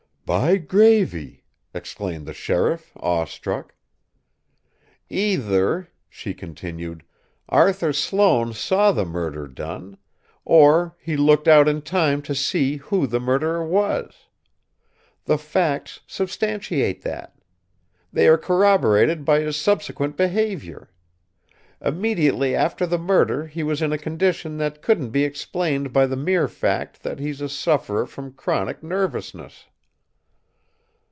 "By gravy!" exclaimed the sheriff, awe struck. "Either," she continued, "Arthur Sloane saw the murder done, or he looked out in time to see who the murderer was. The facts substantiate that. They are corroborated by his subsequent behaviour. Immediately after the murder he was in a condition that couldn't be explained by the mere fact that he's a sufferer from chronic nervousness.